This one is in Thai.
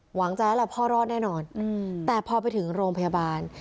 หวังใจแล้วล่ะพ่อรอดแน่นอนแต่พอไปถึงโรงพยาบาล